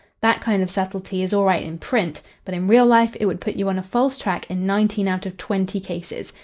That kind of subtlety is all right in print, but in real life it would put you on a false track in nineteen out of twenty cases.